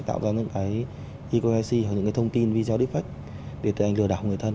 tạo ra những cái eqic những thông tin video defect để tự hành lửa đảo người thân